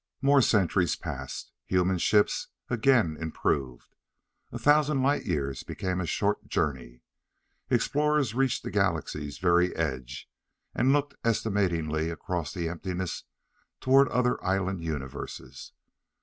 More centuries passed. Human ships again improved. A thousand light years became a short journey. Explorers reached the Galaxy's very edge, and looked estimatingly across the emptiness toward other island universes.